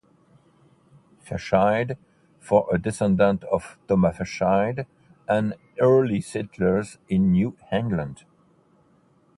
Fairchild was a descendant of Thomas Fairchild, an early settler in New England.